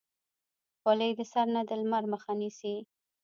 خولۍ د سر نه د لمر مخه نیسي.